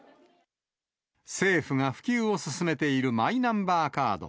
政府が普及を進めているマイナンバーカード。